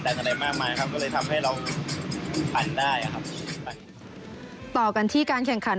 ที่คว้าไปแล้ว๔เหรียญทองในรายการนี้ยังคงร้อนแรงค่ะ